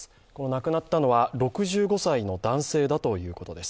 亡くなったのは６５歳の男性だということです。